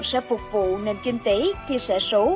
sẽ phục vụ nền kinh tế chia sẻ số